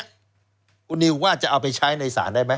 คุณนิวว่าจะเอาไปใช้ในศาลได้ไหม